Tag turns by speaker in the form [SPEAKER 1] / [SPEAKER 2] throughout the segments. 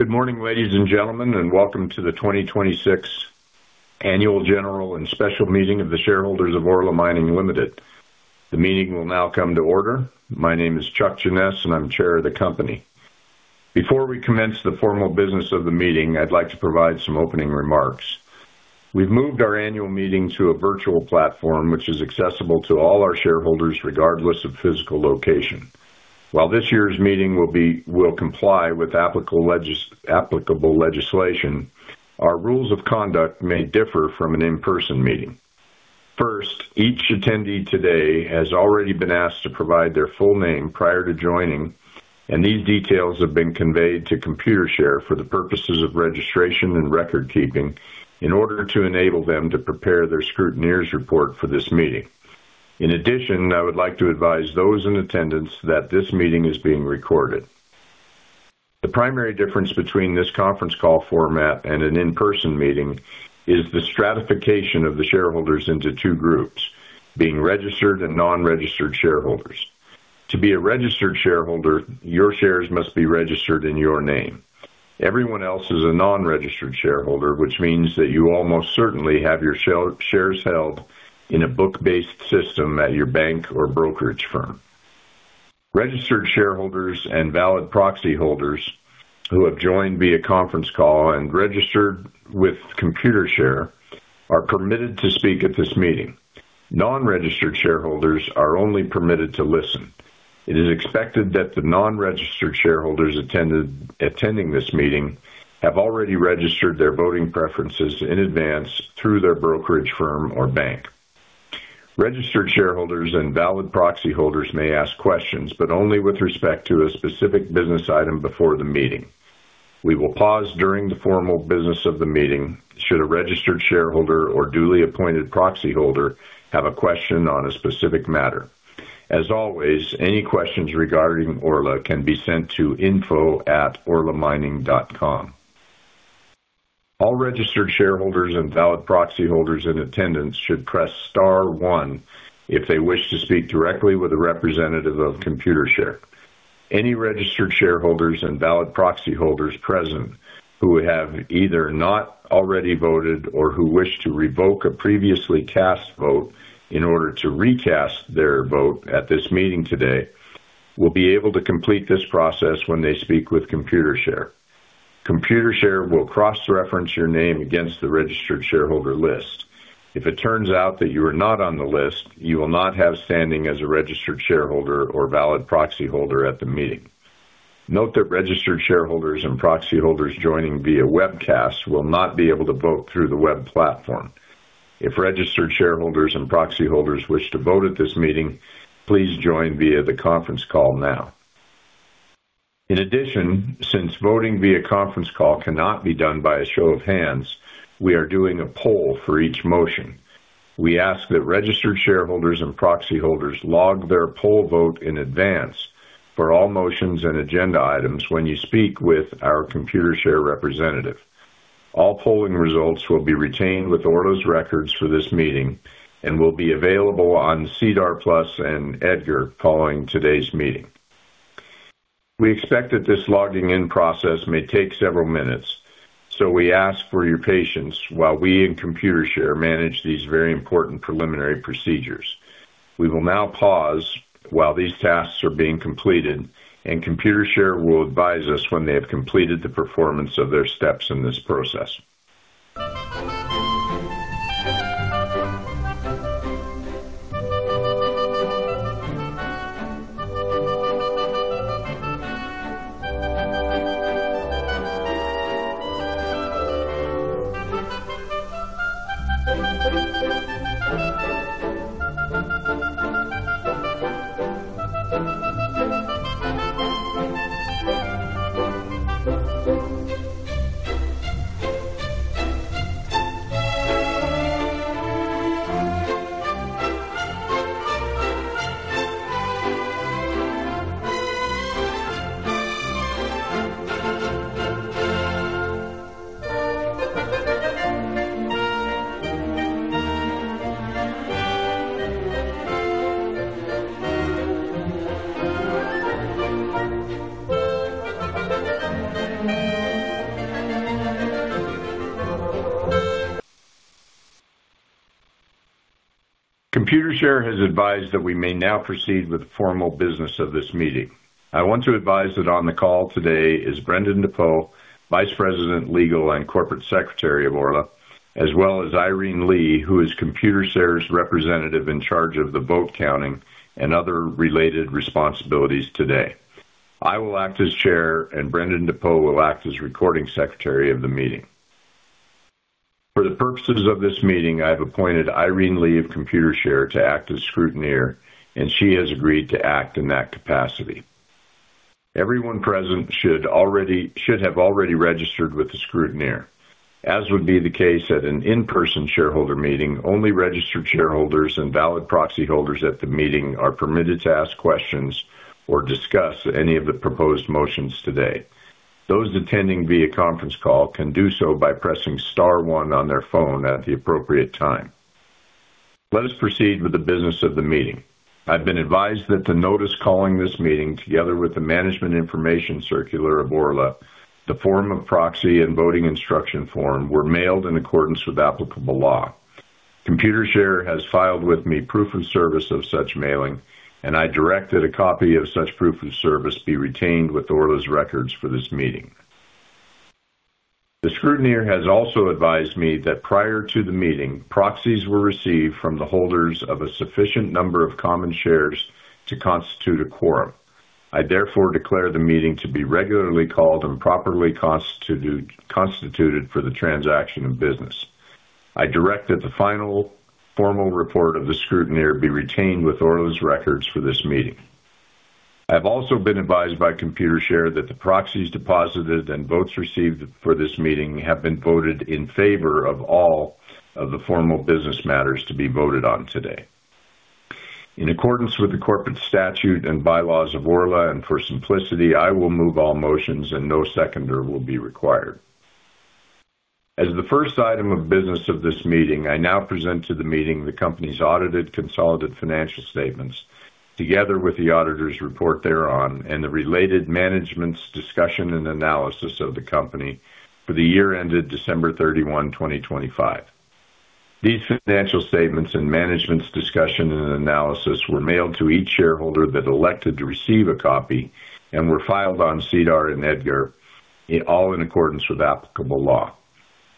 [SPEAKER 1] Good morning, ladies and gentlemen, welcome to the 2026 Annual General and Special Meeting of the shareholders of Orla Mining Ltd. The meeting will now come to order. My name is Chuck Jeannes, and I'm Chair of the company. Before we commence the formal business of the meeting, I'd like to provide some opening remarks. We've moved our annual meeting to a virtual platform, which is accessible to all our shareholders, regardless of physical location. While this year's meeting will comply with applicable legislation, our rules of conduct may differ from an in-person meeting. First, each attendee today has already been asked to provide their full name prior to joining, and these details have been conveyed to Computershare for the purposes of registration and recordkeeping in order to enable them to prepare their scrutineer's report for this meeting. In addition, I would like to advise those in attendance that this meeting is being recorded. The primary difference between this conference call format and an in-person meeting is the stratification of the shareholders into two groups, being registered and non-registered shareholders. To be a registered shareholder, your shares must be registered in your name. Everyone else is a non-registered shareholder, which means that you almost certainly have your shares held in a book-based system at your bank or brokerage firm. Registered shareholders and valid proxy holders who have joined via conference call and registered with Computershare are permitted to speak at this meeting. Non-registered shareholders are only permitted to listen. It is expected that the non-registered shareholders attending this meeting have already registered their voting preferences in advance through their brokerage firm or bank. Registered shareholders and valid proxy holders may ask questions, only with respect to a specific business item before the meeting. We will pause during the formal business of the meeting should a registered shareholder or duly appointed proxy holder have a question on a specific matter. As always, any questions regarding Orla can be sent to info@orlamining.com. All registered shareholders and valid proxy holders in attendance should press star one if they wish to speak directly with a representative of Computershare. Any registered shareholders and valid proxy holders present who have either not already voted or who wish to revoke a previously cast vote in order to recast their vote at this meeting today will be able to complete this process when they speak with Computershare. Computershare will cross-reference your name against the registered shareholder list. If it turns out that you are not on the list, you will not have standing as a registered shareholder or valid proxy holder at the meeting. Note that registered shareholders and proxy holders joining via webcast will not be able to vote through the web platform. If registered shareholders and proxy holders wish to vote at this meeting, please join via the conference call now. In addition, since voting via conference call cannot be done by a show of hands, we are doing a poll for each motion. We ask that registered shareholders and proxy holders log their poll vote in advance for all motions and agenda items when you speak with our Computershare representative. All polling results will be retained with Orla's records for this meeting and will be available on SEDAR+ and EDGAR following today's meeting. We expect that this logging-in process may take several minutes, so we ask for your patience while we and Computershare manage these very important preliminary procedures. We will now pause while these tasks are being completed, and Computershare will advise us when they have completed the performance of their steps in this process. Computershare has advised that we may now proceed with the formal business of this meeting. I want to advise that on the call today is Brendan DePoe, Vice President, Legal and Corporate Secretary of Orla, as well as Irene Lee, who is Computershare's representative in charge of the vote counting and other related responsibilities today. I will act as Chair, and Brendan DePoe will act as Recording Secretary of the meeting. For the purposes of this meeting, I have appointed Irene Lee of Computershare to act as scrutineer, and she has agreed to act in that capacity. Everyone present should have already registered with the scrutineer. As would be the case at an in-person shareholder meeting, only registered shareholders and valid proxy holders at the meeting are permitted to ask questions or discuss any of the proposed motions today. Those attending via conference call can do so by pressing star one on their phone at the appropriate time. Let us proceed with the business of the meeting. I have been advised that the notice calling this meeting, together with the management information circular of Orla, the form of proxy and voting instruction form, were mailed in accordance with applicable law. Computershare has filed with me proof of service of such mailing, and I direct that a copy of such proof of service be retained with Orla's records for this meeting. The scrutineer has also advised me that prior to the meeting, proxies were received from the holders of a sufficient number of common shares to constitute a quorum. I therefore declare the meeting to be regularly called and properly constituted for the transaction of business. I direct that the final formal report of the scrutineer be retained with Orla's records for this meeting. I have also been advised by Computershare that the proxies deposited and votes received for this meeting have been voted in favor of all of the formal business matters to be voted on today. For simplicity, I will move all motions and no seconder will be required. As the first item of business of this meeting, I now present to the meeting the company's audited consolidated financial statements, together with the auditor's report thereon and the related management's discussion and analysis of the company for the year ended December 31, 2025. These financial statements and management's discussion and analysis were mailed to each shareholder that elected to receive a copy and were filed on SEDAR and EDGAR, all in accordance with applicable law.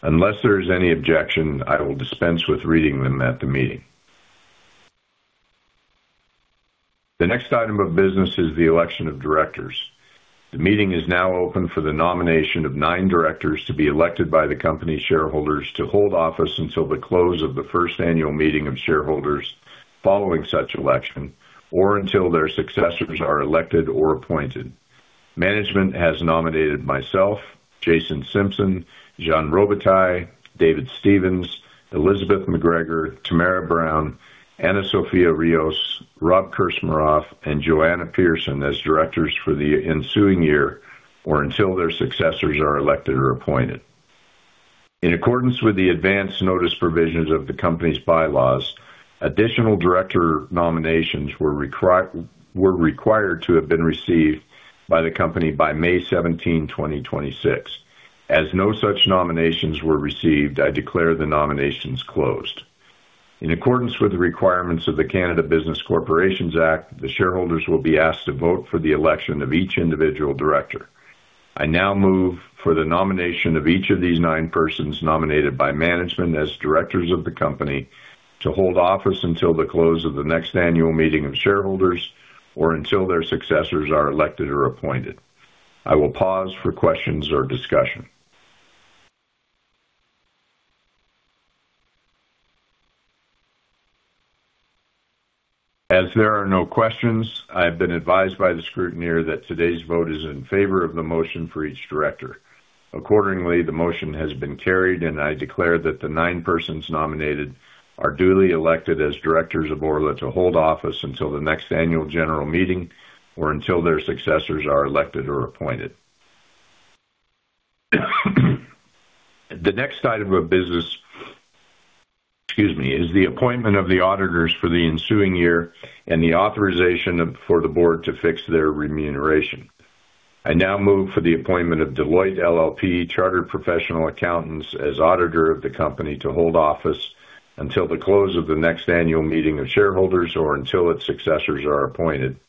[SPEAKER 1] Unless there is any objection, I will dispense with reading them at the meeting. The next item of business is the election of directors. The meeting is now open for the nomination of nine directors to be elected by the company shareholders to hold office until the close of the first annual meeting of shareholders following such election, or until their successors are elected or appointed. Management has nominated myself, Jason Simpson, Jean Robitaille, David Stephens, Elizabeth McGregor, Tamara Brown, Ana Sofía Ríos, Rob Krcmarov, and Joanna Pearson as directors for the ensuing year, or until their successors are elected or appointed. In accordance with the advance notice provisions of the company's bylaws, additional director nominations were required to have been received by the company by May 17, 2026. As no such nominations were received, I declare the nominations closed. In accordance with the requirements of the Canada Business Corporations Act, the shareholders will be asked to vote for the election of each individual director. I now move for the nomination of each of these nine persons nominated by management as directors of the company to hold office until the close of the next annual meeting of shareholders, or until their successors are elected or appointed. I will pause for questions or discussion. There are no questions, I have been advised by the scrutineer that today's vote is in favor of the motion for each director. Accordingly, the motion has been carried, and I declare that the nine persons nominated are duly elected as directors of Orla to hold office until the next annual general meeting or until their successors are elected or appointed. The next item of business is the appointment of the auditors for the ensuing year and the authorization for the board to fix their remuneration. I now move for the appointment of Deloitte LLP Chartered Professional Accountants as auditor of the company to hold office until the close of the next annual meeting of shareholders or until its successors are appointed,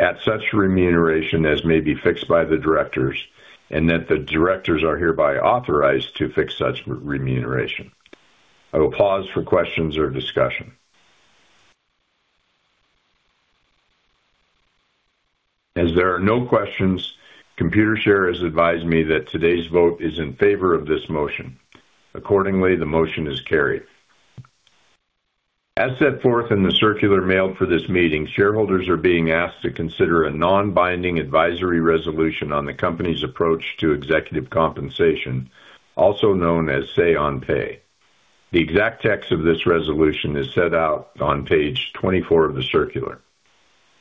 [SPEAKER 1] at such remuneration as may be fixed by the directors, and that the directors are hereby authorized to fix such remuneration. I will pause for questions or discussion. There are no questions, Computershare has advised me that today's vote is in favor of this motion. Accordingly, the motion is carried. As set forth in the circular mailed for this meeting, shareholders are being asked to consider a non-binding advisory resolution on the company's approach to executive compensation, also known as Say-on-pay. The exact text of this resolution is set out on page 24 of the circular.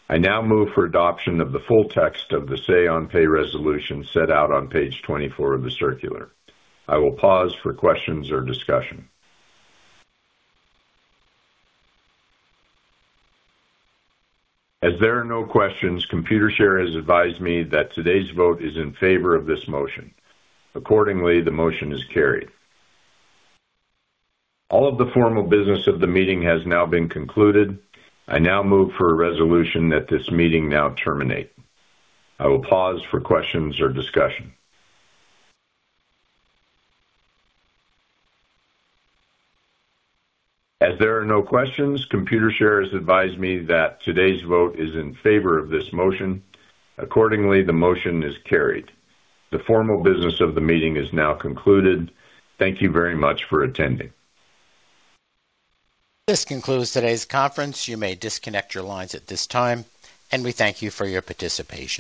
[SPEAKER 1] I now move for adoption of the full text of the Say-on-pay resolution set out on page 24 of the circular. I will pause for questions or discussion. There are no questions, Computershare has advised me that today's vote is in favor of this motion. Accordingly, the motion is carried. All of the formal business of the meeting has now been concluded. I now move for a resolution that this meeting now terminate. I will pause for questions or discussion. There are no questions, Computershare has advised me that today's vote is in favor of this motion. Accordingly, the motion is carried. The formal business of the meeting is now concluded. Thank you very much for attending.
[SPEAKER 2] This concludes today's conference. You may disconnect your lines at this time, and we thank you for your participation